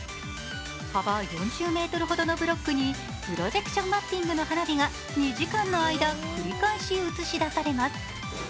幅４０ｍほどのブロックにプロジェクションマッピングの花火が２時間の間繰り返し映し出されます。